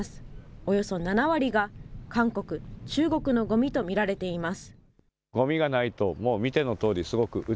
およそ７割が韓国、中国のごみと見られています。